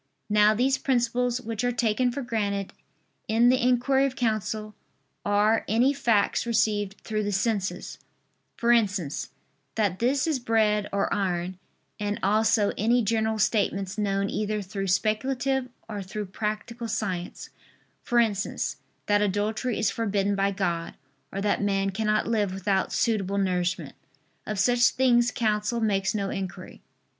Now these principles which are taken for granted in the inquiry of counsel are any facts received through the senses for instance, that this is bread or iron: and also any general statements known either through speculative or through practical science; for instance, that adultery is forbidden by God, or that man cannot live without suitable nourishment. Of such things counsel makes no inquiry.